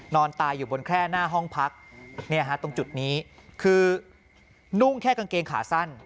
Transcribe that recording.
นอนตายอยู่บนแคร่หน้าห้องพักตรงจุดนี้คือนุ่งแค่กางเกงขาสั้น